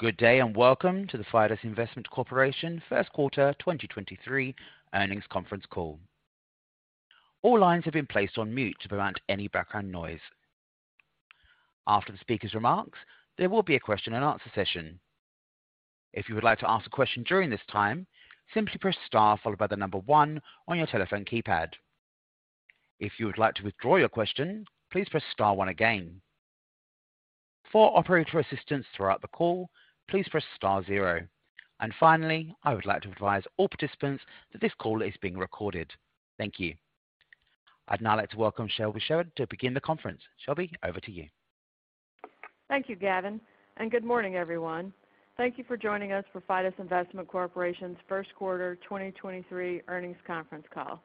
Good day, welcome to the Fidus Investment Corporation First Quarter 2023 Earnings Conference Call. All lines have been placed on mute to prevent any background noise. After the speaker's remarks, there will be a question and answer session. If you would like to ask a question during this time, simply press Star followed by the number one on your telephone keypad. If you would like to withdraw your question, please press star one again. For operator assistance throughout the call, please press star zero. Finally, I would like to advise all participants that this call is being recorded. Thank you. I'd now like to welcome Shelby Sherard to begin the conference. Shelby, over to you. Thank you, Gavin. Good morning, everyone. Thank you for joining us for Fidus Investment Corporation First Quarter 2023 earnings conference call.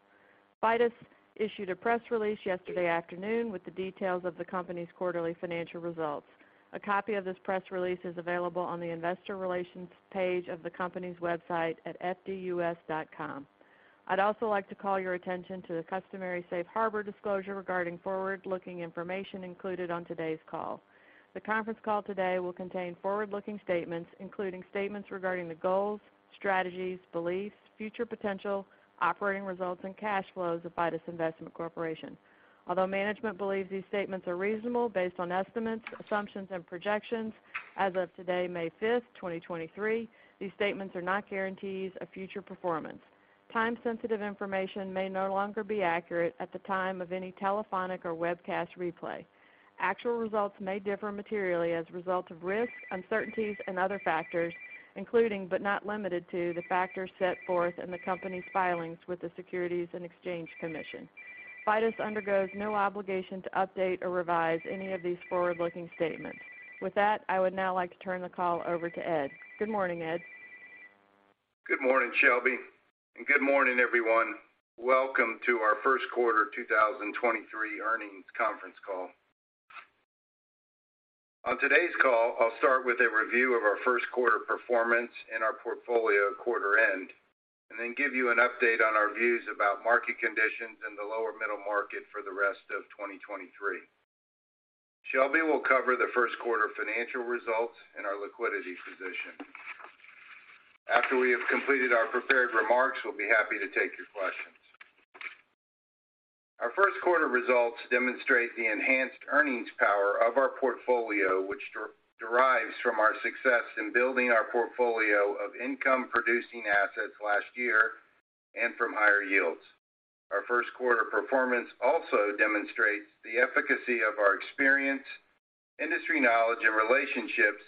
Fidus issued a press release yesterday afternoon with the details of the company's quarterly financial results. A copy of this press release is available on the investor relations page of the company's website at fdus.com. I'd also like to call your attention to the customary safe harbor disclosure regarding forward-looking information included on today's call. The conference call today will contain forward-looking statements, including statements regarding the goals, strategies, beliefs, future potential, operating results, and cash flows of Fidus Investment Corporation. Although management believes these statements are reasonable based on estimates, assumptions and projections as of today, May 5th, 2023, these statements are not guarantees of future performance. Time sensitive information may no longer be accurate at the time of any telephonic or webcast replay. Actual results may differ materially as a result of risks, uncertainties and other factors, including but not limited to, the factors set forth in the company's filings with the Securities and Exchange Commission. Fidus undergoes no obligation to update or revise any of these forward-looking statements. I would now like to turn the call over to Ed. Good morning, Ed. Good morning, Shelby, and good morning everyone. Welcome to our first quarter 2023 earnings conference call. On today's call, I'll start with a review of our first quarter performance and our portfolio quarter-end, and then give you an update on our views about market conditions in the lower middle market for the rest of 2023. Shelby will cover the first quarter financial results and our liquidity position. After we have completed our prepared remarks, we'll be happy to take your questions. Our first quarter results demonstrate the enhanced earnings power of our portfolio, which derives from our success in building our portfolio of income producing assets last year and from higher yields. Our first quarter performance also demonstrates the efficacy of our experience, industry knowledge and relationships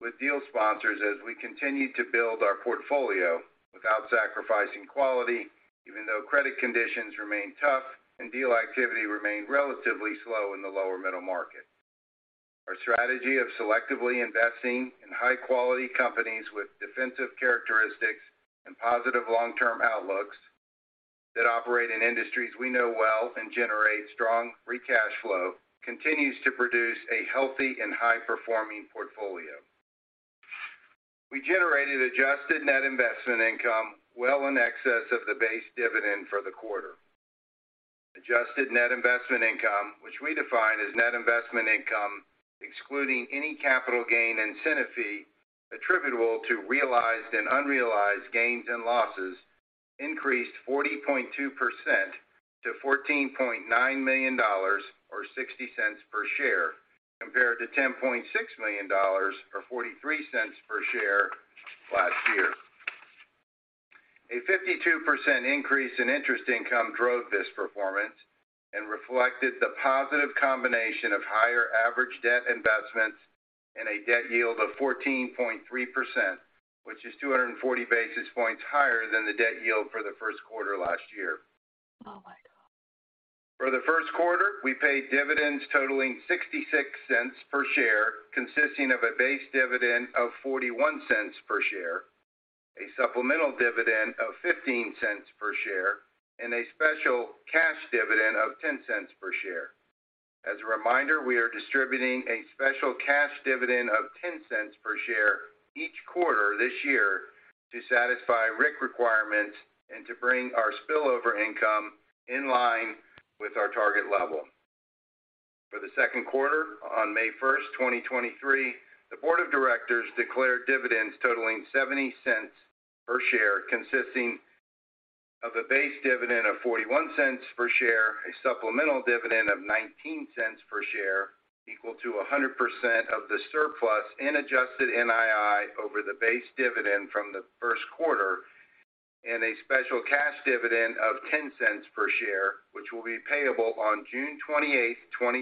with deal sponsors as we continue to build our portfolio without sacrificing quality even though credit conditions remain tough and deal activity remained relatively slow in the lower middle market. Our strategy of selectively investing in high quality companies with defensive characteristics and positive long-term outlooks that operate in industries we know well and generate strong free cash flow continues to produce a healthy and high performing portfolio. We generated adjusted net investment income well in excess of the base dividend for the quarter. Adjusted net investment income, which we define as net investment income, excluding any capital gain incentive fee attributable to realized and unrealized gains and losses increased 40.2% to $14.9 million, or $0.60 per share, compared to $10.6 million or $0.43 per share last year. A 52% increase in interest income drove this performance and reflected the positive combination of higher average debt investments and a debt yield of 14.3%, which is 240 basis points higher than the debt yield for the first quarter last year. Oh my God. For the first quarter, we paid dividends totaling $0.66 per share, consisting of a base dividend of $0.41 per share, a supplemental dividend of $0.15 per share, and a special cash dividend of $0.10 per share. As a reminder, we are distributing a special cash dividend of $0.10 per share each quarter this year to satisfy RIC requirements and to bring our spillover income in line with our target level. For the second quarter on May 1, 2023, the board of directors declared dividends totaling $0.70 per share, consisting of a base dividend of $0.41 per share, a supplemental dividend of $0.19 per share equal to 100% of the surplus and adjusted NII over the base dividend from the first quarter, and a special cash dividend of $0.10 per share, which will be payable on June 28,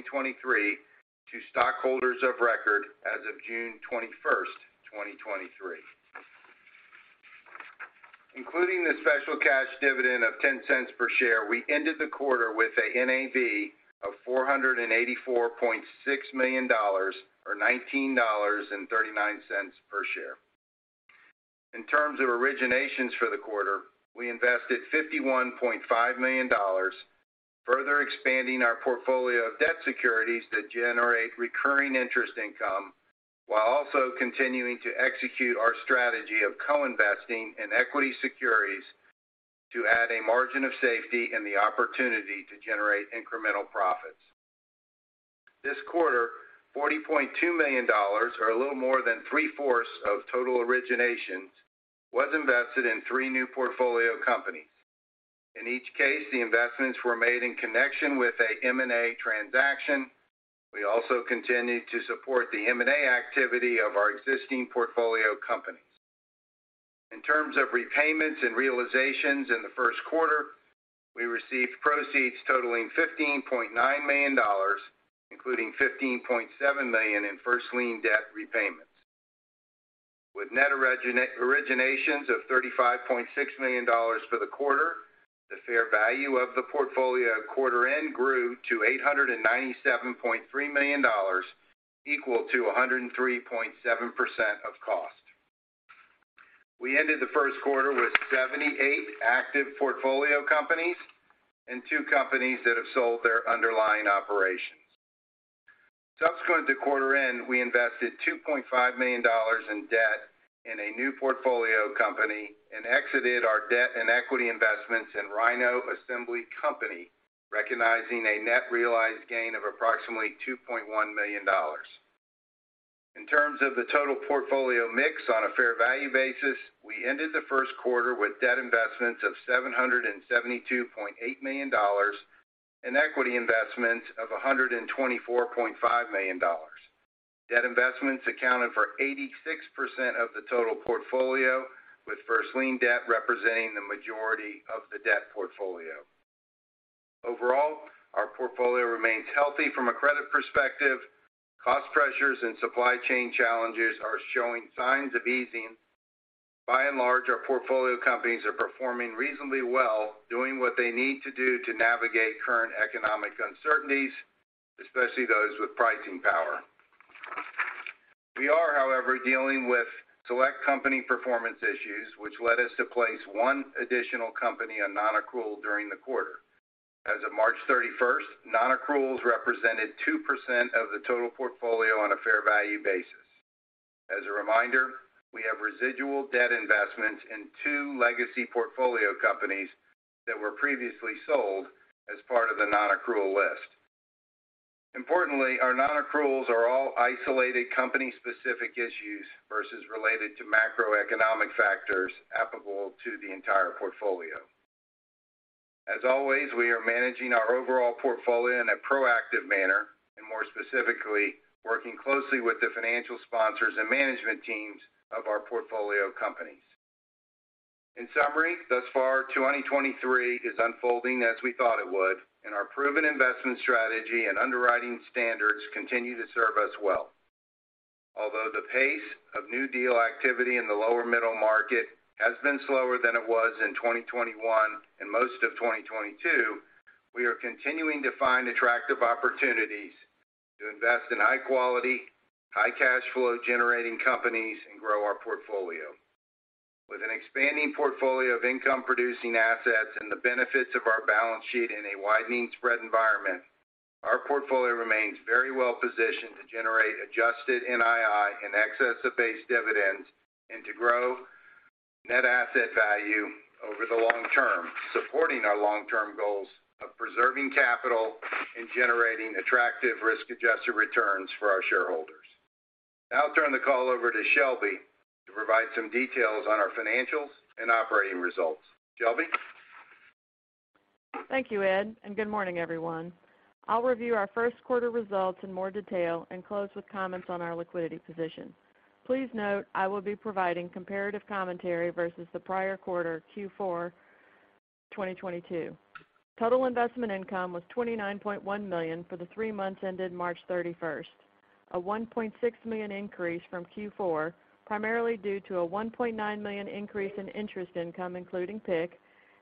2023 to stockholders of record as of June 21, 2023. Including the special cash dividend of $0.10 per share, we ended the quarter with a NAV of $484.6 million or $19.39 per share. In terms of originations for the quarter, we invested $51.5 million, further expanding our portfolio of debt securities that generate recurring interest income while also continuing to execute our strategy of co-investing in equity securities to add a margin of safety and the opportunity to generate incremental profits. This quarter, $40.2 million or a little more than three-fourths of total originations was invested in three new portfolio companies. In each case, the investments were made in connection with a M&A transaction. We also continued to support the M&A activity of our existing portfolio companies. In terms of repayments and realizations in the first quarter, we received proceeds totaling $15.9 million, including $15.7 million in first lien debt repayments. With net originations of $35.6 million for the quarter, the fair value of the portfolio at quarter end grew to $897.3 million, equal to 103.7% of cost. We ended the first quarter with 78 active portfolio companies and two companies that have sold their underlying operations. Subsequent to quarter end, we invested $2.5 million in debt in a new portfolio company and exited our debt and equity investments in Rhino Assembly Company, recognizing a net realized gain of approximately $2.1 million. In terms of the total portfolio mix on a fair value basis, we ended the first quarter with debt investments of $772.8 million and equity investments of $124.5 million. Debt investments accounted for 86% of the total portfolio, with first lien debt representing the majority of the debt portfolio. Overall, our portfolio remains healthy from a credit perspective. Cost pressures and supply chain challenges are showing signs of easing. By and large, our portfolio companies are performing reasonably well, doing what they need to do to navigate current economic uncertainties, especially those with pricing power. We are, however, dealing with select company performance issues, which led us to place 1 additional company on non-accrual during the quarter. As of March 31, non-accruals represented 2% of the total portfolio on a fair value basis. As a reminder, we have residual debt investments in 2 legacy portfolio companies that were previously sold as part of the non-accrual list. Importantly, our non-accruals are all isolated company-specific issues versus related to macroeconomic factors applicable to the entire portfolio. As always, we are managing our overall portfolio in a proactive manner and more specifically, working closely with the financial sponsors and management teams of our portfolio companies. In summary, thus far, 2023 is unfolding as we thought it would, and our proven investment strategy and underwriting standards continue to serve us well. Although the pace of new deal activity in the lower middle market has been slower than it was in 2021 and most of 2022, we are continuing to find attractive opportunities to invest in high quality, high cash flow generating companies and grow our portfolio. With an expanding portfolio of income producing assets and the benefits of our balance sheet in a widening spread environment, our portfolio remains very well positioned to generate adjusted NII in excess of base dividends and to grow net asset value over the long term, supporting our long-term goals of preserving capital and generating attractive risk-adjusted returns for our shareholders. I'll turn the call over to Shelby to provide some details on our financials and operating results. Shelby? Thank you, Ed. Good morning, everyone. I'll review our first quarter results in more detail and close with comments on our liquidity position. Please note, I will be providing comparative commentary versus the prior quarter, Q4 2022. Total investment income was $29.1 million for the three months ended March 31, a $1.6 million increase from Q4, primarily due to a $1.9 million increase in interest income, including PIK,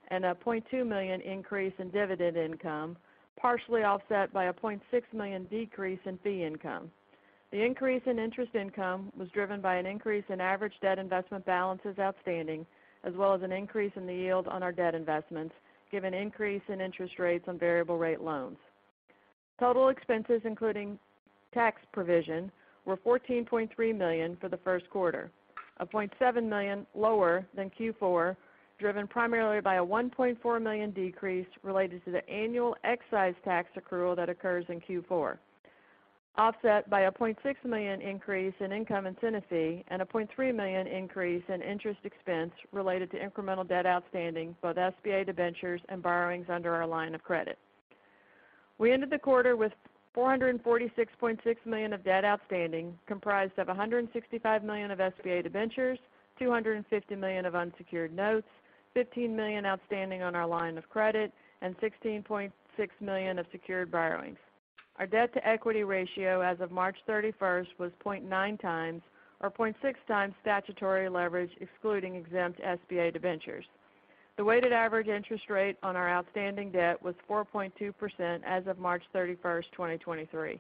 and a $0.2 million increase in dividend income, partially offset by a $0.6 million decrease in fee income. The increase in interest income was driven by an increase in average debt investment balances outstanding, as well as an increase in the yield on our debt investments, given increase in interest rates on variable-rate loans. Total expenses, including tax provision, were $14.3 million for the first quarter, $0.7 million lower than Q4, driven primarily by a $1.4 million decrease related to the annual excise tax accrual that occurs in Q4, offset by a $0.6 million increase in income incentive fee and a $0.3 million increase in interest expense related to incremental debt outstanding, both SBA debentures and borrowings under our line of credit. We ended the quarter with $446.6 million of debt outstanding, comprised of $165 million of SBA debentures, $250 million of unsecured notes, $15 million outstanding on our Line of Credit, and $16.6 million of secured borrowings. Our debt-to-equity ratio as of March 31st was 0.9 times or 0.6 times statutory leverage, excluding exempt SBA debentures. The weighted average interest rate on our outstanding debt was 4.2% as of March 31st, 2023.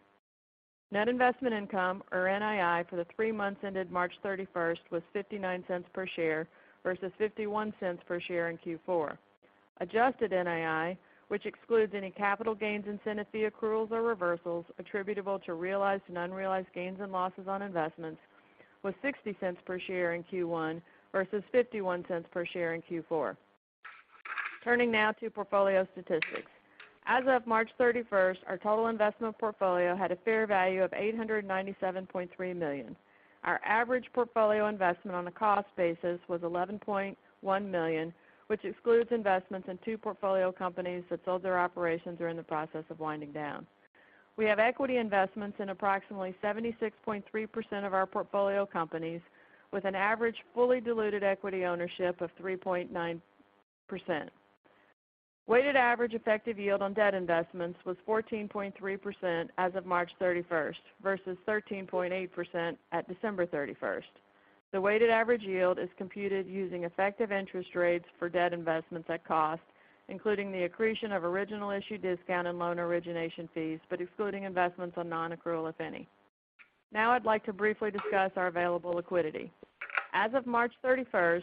Net investment income, or NII, for the 3 months ended March 31st was $0.59 per share versus $0.51 per share in Q4. Adjusted NII, which excludes any capital gains incentive fee accruals or reversals attributable to realized and unrealized gains and losses on investments, with $0.60 per share in Q1 versus $0.51 per share in Q4. Turning now to portfolio statistics. As of March 31st, our total investment portfolio had a fair value of $897.3 million. Our average portfolio investment on a cost basis was $11.1 million, which excludes investments in 2 portfolio companies that sold their operations are in the process of winding down. We have equity investments in approximately 76.3% of our portfolio companies with an average fully diluted equity ownership of 3.9%. Weighted average effective yield on debt investments was 14.3% as of March 31st versus 13.8% at December 31st. The weighted average yield is computed using effective interest rates for debt investments at cost, including the accretion of original issue discount and loan origination fees, but excluding investments on non-accrual, if any. I'd like to briefly discuss our available liquidity. As of March 31st,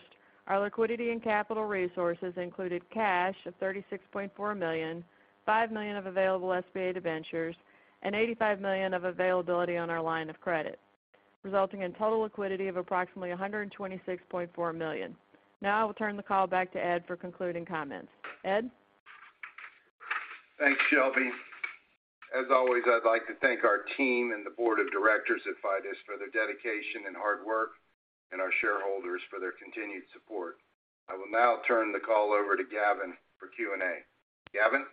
our liquidity and capital resources included cash of $36.4 million, $5 million of available SBA debentures, and $85 million of availability on our Line of Credit, resulting in total liquidity of approximately $126.4 million. I will turn the call back to Ed for concluding comments. Ed? Thanks, Shelby. As always, I'd like to thank our team and the board of directors at Fidus for their dedication and hard work and our shareholders for their continued support. I will now turn the call over to Gavin for Q&A. Gavin?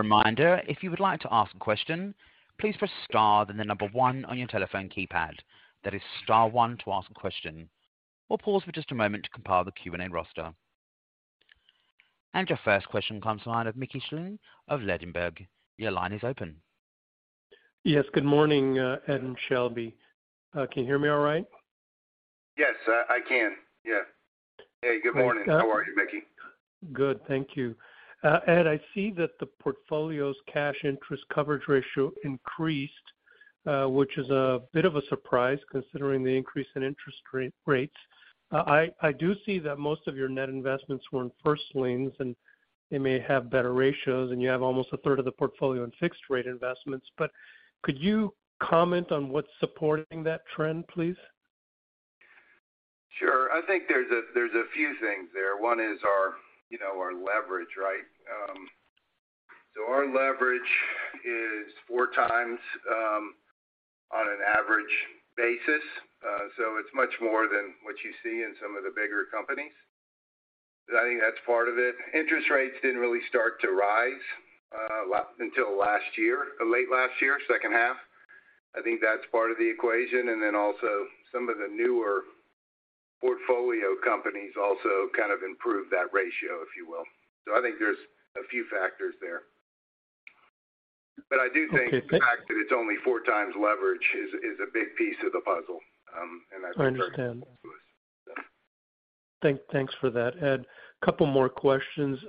Reminder, if you would like to ask a question, please press star, then the 1 on your telephone keypad. That is star one to ask a question. We'll pause for just a moment to compile the Q&A roster. Your first question comes line of Mickey Schleien of Ladenburg Thalmann. Your line is open. Yes, good morning, Ed and Shelby. Can you hear me all right? Yes, I can. Yeah. Hey, good morning. How are you, Mickey? Good. Thank you. Ed, I see that the portfolio's cash interest coverage ratio increased, which is a bit of a surprise considering the increase in interest rates. I do see that most of your net investments were in first liens, and they may have better ratios, and you have almost a third of the portfolio in fixed rate investments. Could you comment on what's supporting that trend, please? Sure. I think there's a few things there. One is our, you know, our leverage, right? Our leverage is 4 times on an average basis. It's much more than what you see in some of the bigger companies. I think that's part of it. Interest rates didn't really start to rise until last year, late last year, second half. I think that's part of the equation. Also some of the newer portfolio companies also kind of improved that ratio, if you will. I think there's a few factors there. I do think- Okay. The fact that it's only four times leverage is a big piece of the puzzle. I understand. Thank-thanks for that, Ed. A couple more questions.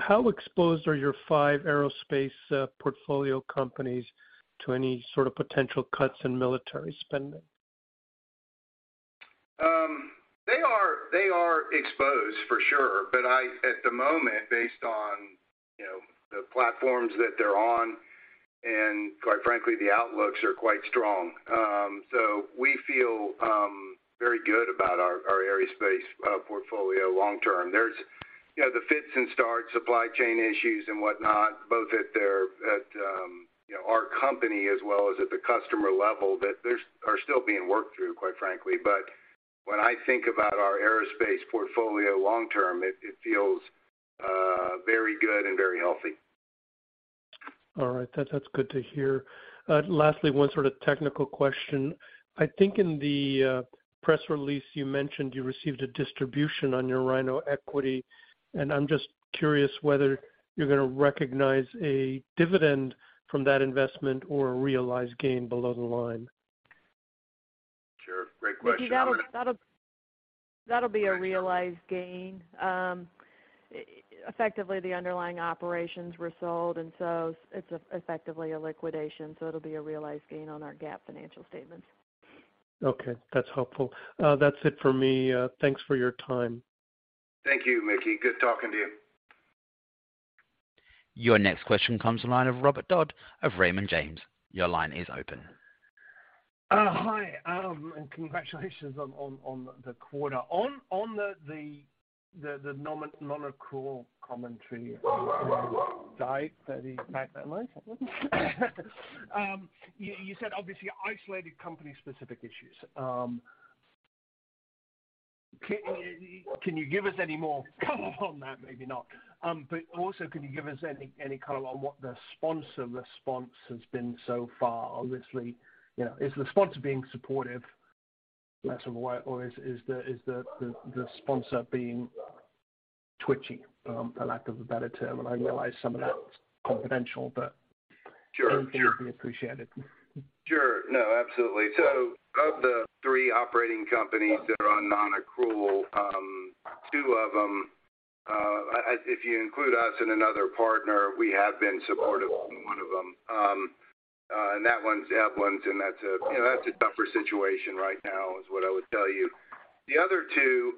How exposed are your five aerospace, portfolio companies to any sort of potential cuts in military spending? They are exposed for sure, at the moment, based on, you know, the platforms that they're on, and quite frankly, the outlooks are quite strong. We feel very good about our aerospace portfolio long term. There's, you know, the fits and starts, supply chain issues and whatnot, both at, you know, our company as well as at the customer level that are still being worked through, quite frankly. When I think about our aerospace portfolio long term, it feels very good and very healthy. All right. That's good to hear. Lastly, one sort of technical question. I think in the press release, you mentioned you received a distribution on your Rhino equity, and I'm just curious whether you're gonna recognize a dividend from that investment or a realized gain below the line. Sure. Great question. Mickey, that'll be a realized gain. Effectively, the underlying operations were sold, and so it's effectively a liquidation, so it'll be a realized gain on our GAAP financial statements. Okay, that's helpful. That's it for me. Thanks for your time. Thank you, Mickey. Good talking to you. Your next question comes the line of Robert Dodd of Raymond James. Your line is open. Hi, congratulations on the quarter. On the non-accrual commentary diet that is back online. You said obviously isolated company-specific issues. Can you give us any more color on that? Maybe not. Also can you give us any color on what the sponsor response has been so far? Obviously, you know, is the sponsor being supportive, less of a word, or is the sponsor being twitchy? For lack of a better term. I realize some of that's confidential, but. Sure. Sure. Anything would be appreciated. Sure. No, absolutely. Of the three operating companies that are on non-accrual, two of them, if you include us and another partner, we have been supportive of one of them. That one's Edmentum, and that's a, you know, that's a tougher situation right now, is what I would tell you. The other two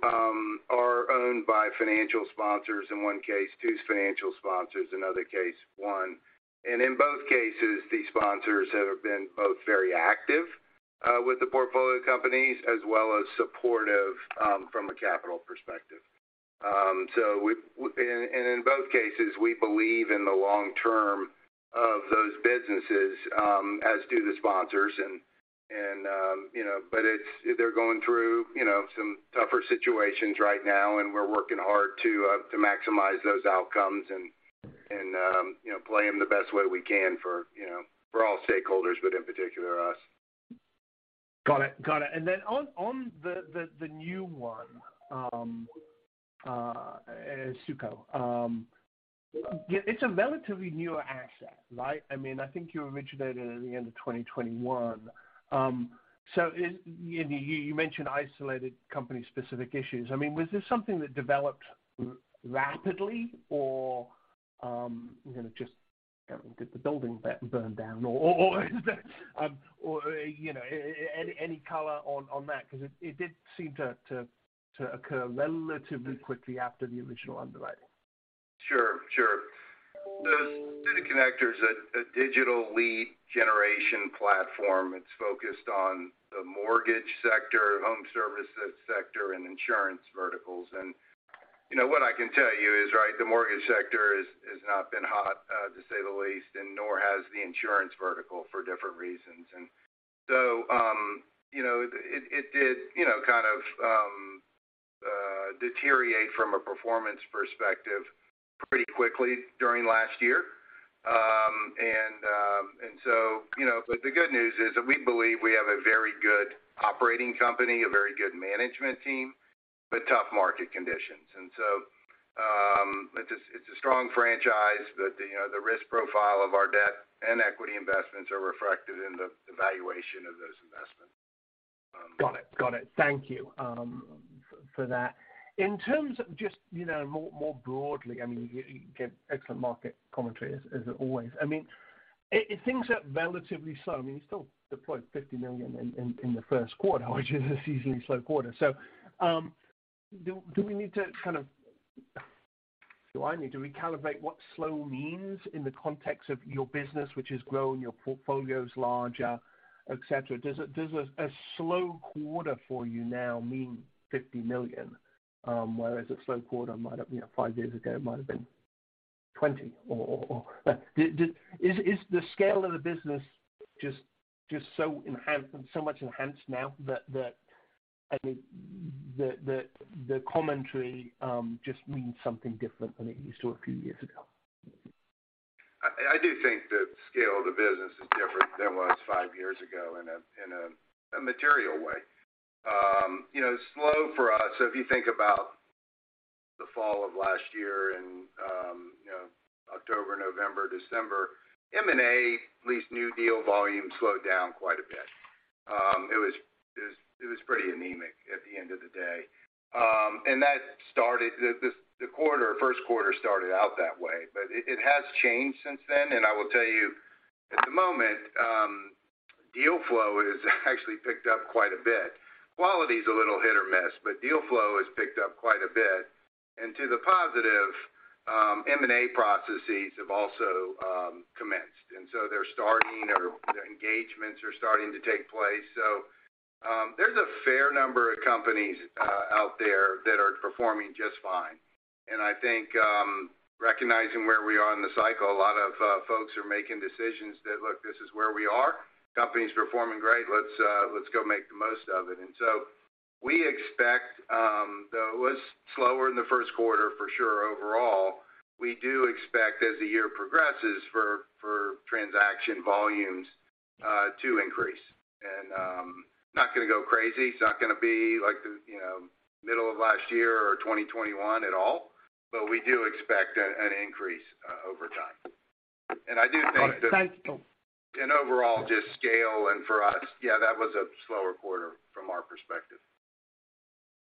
are owned by financial sponsors. In one case, two financial sponsors, another case one. In both cases, the sponsors have been both very active with the portfolio companies as well as supportive from a capital perspective. In both cases, we believe in the long term of those businesses as do the sponsors and, you know. They're going through, you know, some tougher situations right now, and we're working hard to maximize those outcomes and, you know, play them the best way we can for, you know, for all stakeholders, but in particular us. Got it. Got it. On the new one, SuiteConnector, it's a relatively newer asset, right? I mean, I think you originated it at the end of 2021. You mentioned isolated company-specific issues. I mean, was this something that developed rapidly or, you know, just did the building burn down or is that, or, you know, any color on that? It did seem to occur relatively quickly after the original underwriting. Sure. SuiteConnector is a digital lead generation platform. It's focused on the mortgage sector, home services sector, and Insurance verticals. You know, what I can tell you is, right, the mortgage sector has not been hot to say the least, and nor has the insurance vertical for different reasons. You know, it did, you know, kind of deteriorate from a performance perspective pretty quickly during last year. And so, you know. The good news is that we believe we have a very good operating company, a very good management team, but tough market conditions. It's a strong franchise, but the, you know, the risk profile of our debt and equity investments are reflected in the valuation of those investments. Got it. Got it. Thank you for that. In terms of just, you know, more broadly, I mean, you give excellent market commentary as always. I mean, if things are relatively slow, I mean, you still deployed $50 million in the first quarter, which is a seasonally slow quarter. Do we need to recalibrate what slow means in the context of your business, which has grown, your portfolio is larger, et cetera? Does a slow quarter for you now mean $50 million? Whereas a slow quarter might have, you know, 5 years ago, it might have been 20 or... Is the scale of the business just so enhanced and so much enhanced now that, I mean, the commentary just means something different than it used to a few years ago? I do think the scale of the business is different than it was five years ago in a material way. you know, slow for us, so if you think about the fall of last year and, you know, October, November, December, M&A leased new deal volume slowed down quite a bit. It was pretty anemic at the end of the day. That started the first quarter started out that way, but it has changed since then. I will tell you at the moment, deal flow has actually picked up quite a bit. Quality is a little hit or miss, but deal flow has picked up quite a bit. To the positive, M&A processes have also commenced, they're starting or engagements are starting to take place. There's a fair number of companies out there that are performing just fine. I think, recognizing where we are in the cycle, a lot of folks are making decisions that, look, this is where we are. Company's performing great. Let's go make the most of it. We expect, though it was slower in the first quarter for sure overall, we do expect as the year progresses for transaction volumes to increase. Not gonna go crazy. It's not gonna be like the, you know, middle of last year or 2021 at all. We do expect an increase over time. I do think that. Got it. Thanks, Tom. Overall just scale and for us, yeah, that was a slower quarter from our perspective.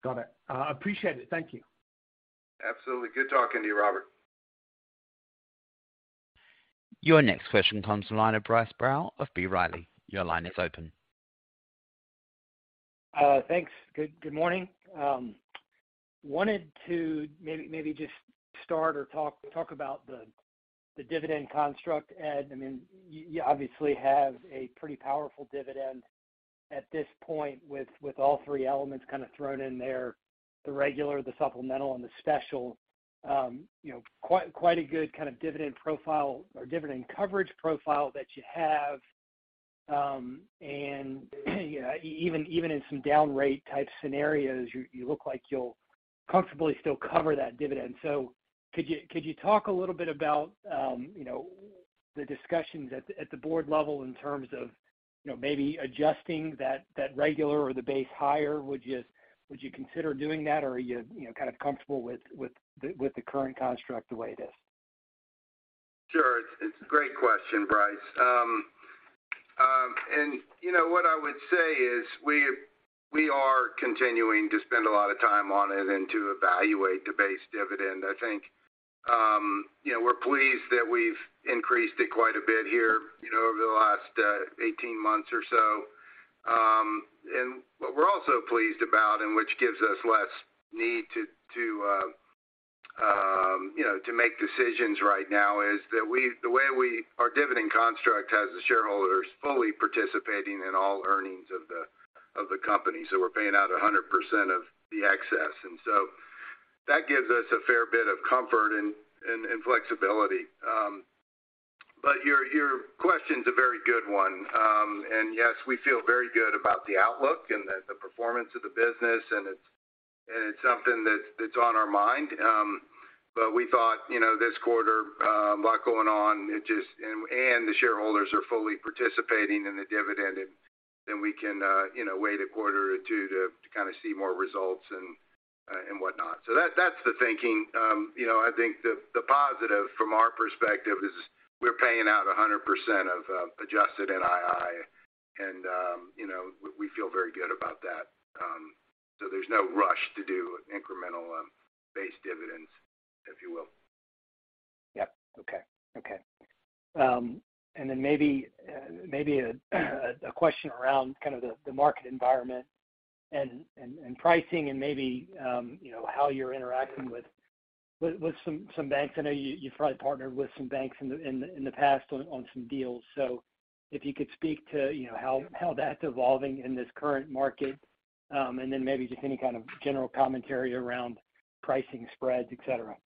Got it. I appreciate it. Thank you. Absolutely. Good talking to you, Robert. Your next question comes from the line of Bryce Rowe of B. Riley. Your line is open. thanks. Good morning. wanted to maybe just start or talk about the dividend construct, Ed. I mean, you obviously have a pretty powerful dividend at this point with all three elements kind of thrown in there, the regular, the supplemental, and the special. you know, quite a good kind of dividend profile or dividend coverage profile that you have. You know, even in some down rate type scenarios, you look like you'll comfortably still cover that dividend. Could you talk a little bit about, you know, the discussions at the board level in terms of, you know, maybe adjusting that regular or the base higher? Would you consider doing that or are you know, kind of comfortable with the, with the current construct the way it is? Sure. It's a great question, Bryce. You know, what I would say is we are continuing to spend a lot of time on it and to evaluate the base dividend. I think, you know, we're pleased that we've increased it quite a bit here, you know, over the last 18 months or so. What we're also pleased about, and which gives us less need to You know, to make decisions right now is that the way our dividend construct has the shareholders fully participating in all earnings of the company. We're paying out 100% of the excess. That gives us a fair bit of comfort and flexibility. Your question's a very good one. Yes, we feel very good about the outlook and the performance of the business, and it's something that's on our mind. We thought, you know, this quarter, a lot going on, and the shareholders are fully participating in the dividend and we can, you know, wait a quarter or two to kind of see more results and whatnot. That's the thinking. You know, I think the positive from our perspective is we're paying out 100% of adjusted NII and, you know, we feel very good about that. There's no rush to do incremental base dividends, if you will. Yep. Okay. Okay. Then maybe a question around kind of the market environment and pricing and maybe, you know, how you're interacting with some banks. I know you've probably partnered with some banks in the past on some deals. If you could speak to, you know, how that's evolving in this current market, then maybe just any kind of general commentary around pricing spreads, et cetera.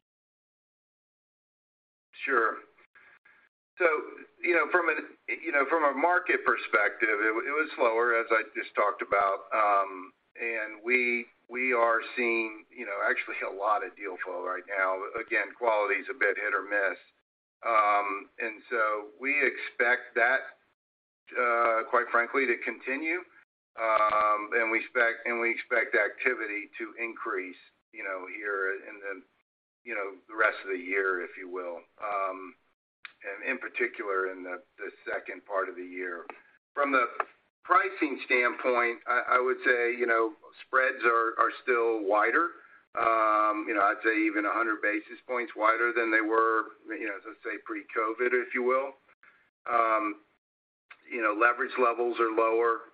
Sure. You know, from a, you know, from a market perspective, it was slower as I just talked about. We are seeing, you know, actually a lot of deal flow right now. Again, quality is a bit hit or miss. We expect that, quite frankly, to continue, and we expect activity to increase, you know, here in the, you know, the rest of the year, if you will, and in particular in the second part of the year. From the pricing standpoint, I would say, you know, spreads are still wider. You know, I'd say even 100 basis points wider than they were, you know, as I say, pre-COVID, if you will. You know, leverage levels are lower.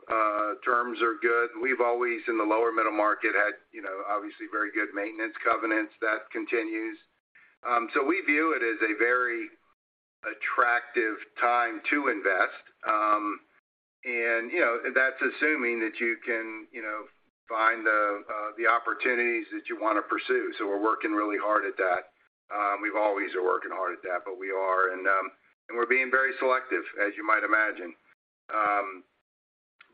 Terms are good. We've always in the lower middle market had, you know, obviously very good maintenance covenants. That continues. We view it as a very attractive time to invest. And, you know, that's assuming that you can, you know, find the opportunities that you wanna pursue. We're working really hard at that. We've always are working hard at that, but we are. We're being very selective, as you might imagine.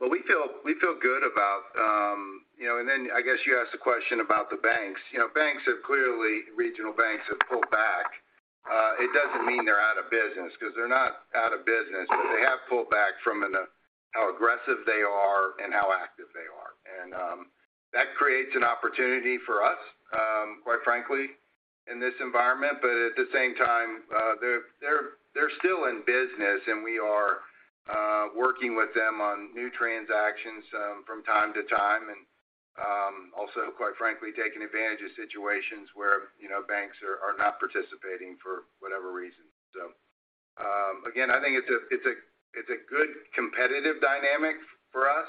We feel good about, you know. Then I guess you asked a question about the banks. You know, banks have clearly, regional banks have pulled back. It doesn't mean they're out of business because they're not out of business, but they have pulled back from in a how aggressive they are and how active they are. That creates an opportunity for us, quite frankly, in this environment. At the same time, they're still in business and we are working with them on new transactions from time to time and also, quite frankly, taking advantage of situations where, you know, banks are not participating for whatever reason. Again, I think it's a good competitive dynamic for us.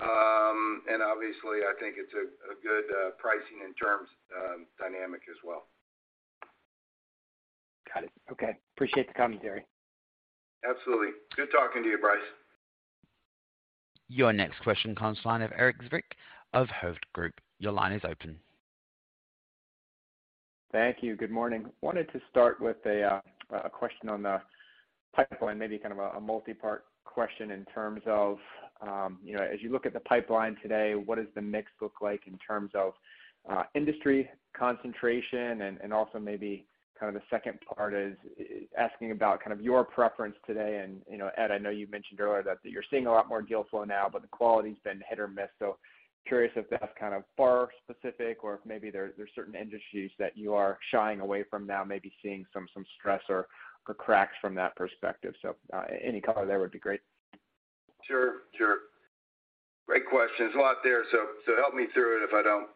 Obviously, I think it's a good pricing and terms dynamic as well. Got it. Okay. Appreciate the commentary. Absolutely. Good talking to you, Bryce. Your next question comes line of Erik Zwick of Hovde Group. Your line is open. Thank you. Good morning. Wanted to start with a question on the pipeline, maybe kind of a multi-part question in terms of, you know, as you look at the pipeline today, what does the mix look like in terms of industry concentration? Also maybe kind of the second part is asking about kind of your preference today. You know, Ed, I know you mentioned earlier that you're seeing a lot more deal flow now, but the quality's been hit or miss. Curious if that's kind of bar specific or if maybe there's certain industries that you are shying away from now, maybe seeing some stress or cracks from that perspective. Any color there would be great. Sure. Sure. Great question. There's a lot there, so help me through it if I don't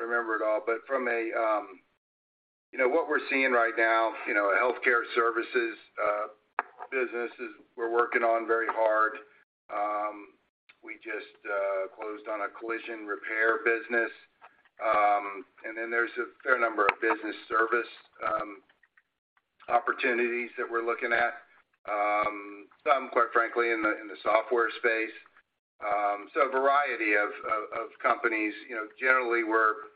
remember it all. From a, you know, what we're seeing right now, you know, healthcare services businesses we're working on very hard. We just closed on a collision repair business. There's a fair number of business service opportunities that we're looking at. Some, quite frankly, in the, in the software space. A variety of companies. You know, generally we're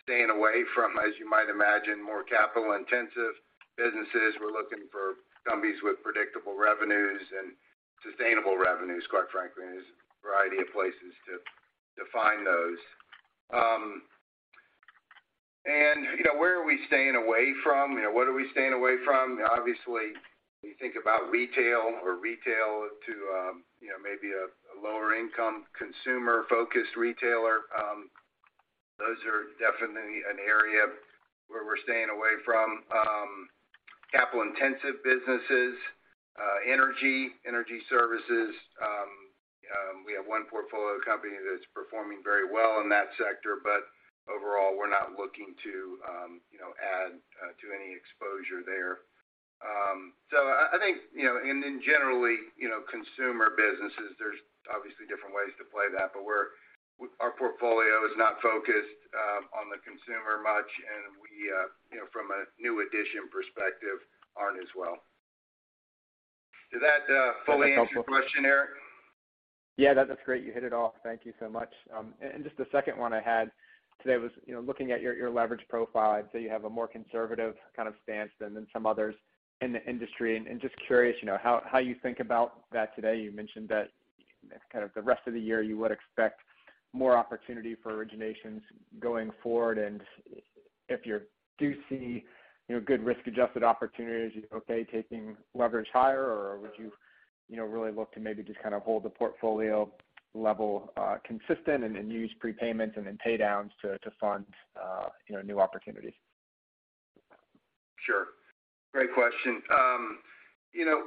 staying away from, as you might imagine, more capital-intensive businesses. We're looking for companies with predictable revenues and sustainable revenues, quite frankly. There's a variety of places to find those. You know, where are we staying away from? You know, what are we staying away from? Obviously, you think about retail or retail to, you know, maybe a lower income consumer-focused retailer. Those are definitely an area where we're staying away from. Capital-intensive businesses, energy services. We have one portfolio company that's performing very well in that sector, but overall, we're not looking to, you know, add. I think, you know, generally, you know, consumer businesses, there's obviously different ways to play that, but our portfolio is not focused on the consumer much and we, you know, from a new edition perspective, aren't as well. Did that fully answer your question, Erik? Yeah. That, that's great. You hit it all. Thank you so much. And just the second one I had today was, you know, looking at your leverage profile. I'd say you have a more conservative kind of stance than some others in the industry. And just curious, you know, how you think about that today. You mentioned that kind of the rest of the year, you would expect more opportunity for originations going forward. And if you do see, you know, good risk-adjusted opportunities, are you okay taking leverage higher or would you know, really look to maybe just kind of hold the portfolio level consistent and then use prepayments and then pay downs to fund, you know, new opportunities? Sure. Great question. You know,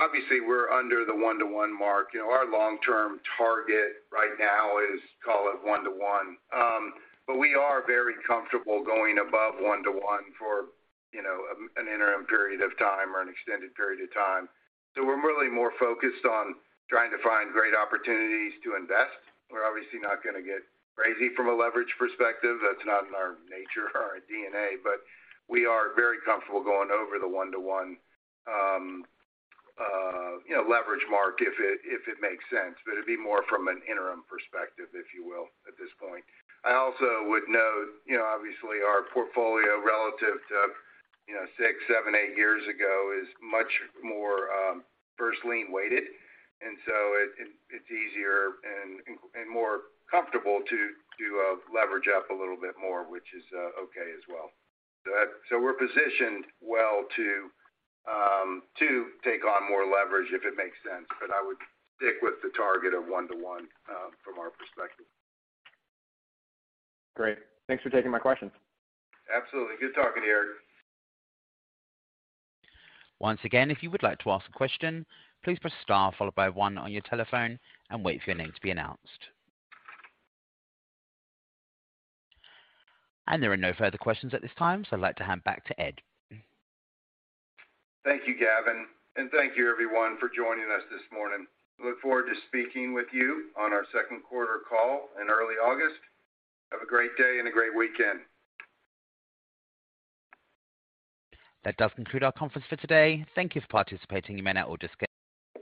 obviously, we're under the one-to-one mark. You know, our long-term target right now is call it one to one. We are very comfortable going above one to one for, you know, an interim period of time or an extended period of time. We're really more focused on trying to find great opportunities to invest. We're obviously not gonna get crazy from a leverage perspective. That's not in our nature or our DNA. We are very comfortable going over the one-to-one, you know, leverage mark if it makes sense. It'd be more from an interim perspective, if you will, at this point. I also would note, you know, obviously our portfolio relative to, you know, six, seven, eight years ago is much more, first lien weighted, and so it's easier and more comfortable to leverage up a little bit more, which is okay as well. We're positioned well to take on more leverage if it makes sense. I would stick with the target of 1:1 from our perspective. Great. Thanks for taking my questions. Absolutely. Good talking, Erik. Once again, if you would like to ask a question, please press star followed by one on your telephone and wait for your name to be announced. There are no further questions at this time. I'd like to hand back to Ed. Thank you, Gavin. Thank you everyone for joining us this morning. Look forward to speaking with you on our second quarter call in early August. Have a great day and a great weekend. That does conclude our conference for today. Thank Thank you for participating. You may now all disconnect.